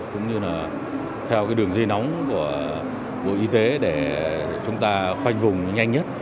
cũng như là theo đường di nóng của bộ y tế để chúng ta khoanh vùng nhanh nhất